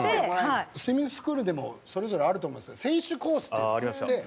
スイミングスクールでもそれぞれあると思うんですけど選手コースっていうのがあって。